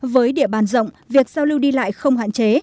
với địa bàn rộng việc giao lưu đi lại không hạn chế